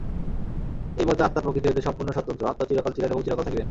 এই মতে আত্মা প্রকৃতি হইতে সম্পূর্ণ স্বতন্ত্র, আত্মা চিরকাল ছিলেন এবং চিরকাল থাকিবেন।